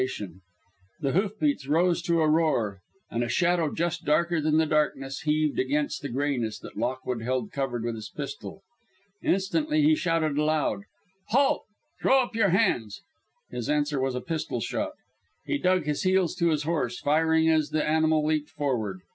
Then the hoof beats rose to a roar, and a shadow just darker than the darkness heaved against the grayness that Lockwood held covered with his pistol. Instantly he shouted aloud: "Halt! Throw up your hands!" His answer was a pistol shot. He dug his heels to his horse, firing as the animal leaped forward.